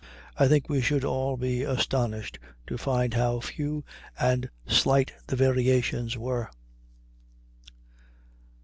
I think we should all be astonished to find how few and slight the variations were.